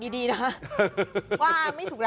ดีนะ